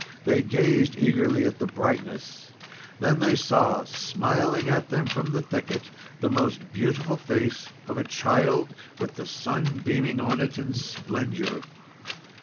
They gazed eagerly at the brightness. Then they saw, smiling at them from the thicket, the most beautiful face of a child, with the sun beaming on it in splendour.